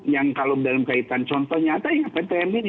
yang kalau dalam kaitan contoh nyata ya ptm ini